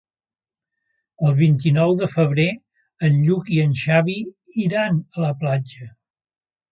El vint-i-nou de febrer en Lluc i en Xavi iran a la platja.